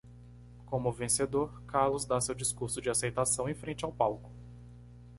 Como vencedor? Carlos dá seu discurso de aceitação em frente ao palco.